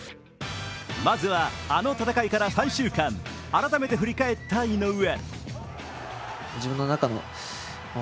まずは、あの戦いから３週間改めて振り返った井上。